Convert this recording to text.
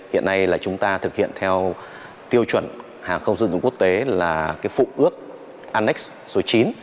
hiện nay là chúng ta thực hiện theo tiêu chuẩn hàng không dân dụng quốc tế là cái phụ ước annex số chín